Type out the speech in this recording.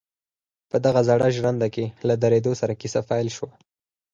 په دغه زړه ژرنده کې له درېدو سره کيسه پيل شوه.